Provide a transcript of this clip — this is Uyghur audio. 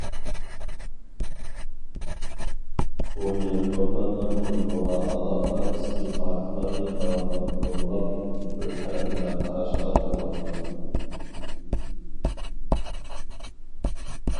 بۇ يىل دوكلاتنىڭ جۇڭگوغا ئالاقىدار قىسمى پاكىتلارنى داۋاملىق بۇرمىلاپ، بىر تەرەپلىمە قاراشقا تولغان.